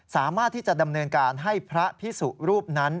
สามารถที่จะดำเนินการให้พระพิสุรูปนั้น